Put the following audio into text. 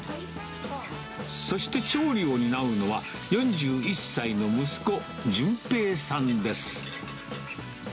そして調理を担うのは、４１歳の息子、淳平さんです。